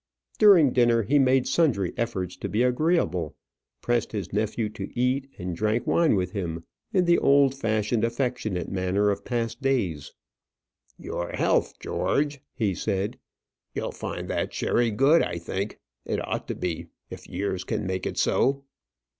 During dinner, he made sundry efforts to be agreeable; pressed his nephew to eat, and drank wine with him in the old fashioned affectionate manner of past days. "Your health, George," he said. "You'll find that sherry good, I think. It ought to be, if years can make it so."